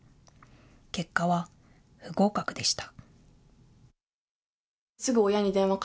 結果は不合格でした。